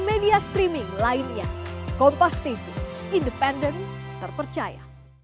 media streaming lainnya kompas tv independen terpercaya